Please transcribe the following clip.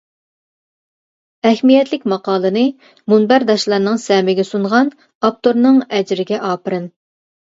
ئەھمىيەتلىك ماقالىنى مۇنبەرداشلار سەمىگە سۇنغان ئاپتورنىڭ ئەجرىگە ئاپىرىن!